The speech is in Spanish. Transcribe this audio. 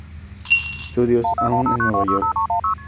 Studios, aún en Nueva York.